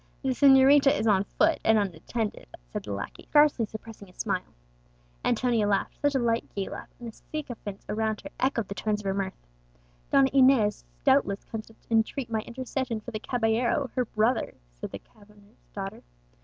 "The señorita is on foot, and unattended," said the lackey, hardly suppressing a smile. Antonia laughed such a light, gay laugh and the sycophants around her echoed the tones of her mirth. "Donna Inez doubtless comes to entreat my intercession for the caballero her brother," said the governor's daughter.